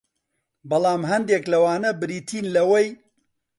بەڵام هەندێک لەوانە بریتین لەوەی